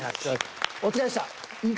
お疲れっした。